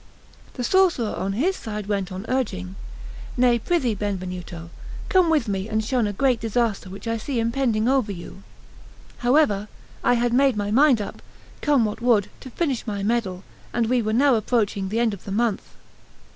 The sorcerer on his side went on urging: "Nay, prithee, Benvenuto, come with me and shun a great disaster which I see impending over you." However, I had made my mind up, come what would, to finish my medal, and we were now approaching the end of the month.